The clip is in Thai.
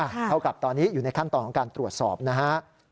เท่ากับตอนนี้อยู่ในขั้นตอนของการตรวจสอบนะฮะ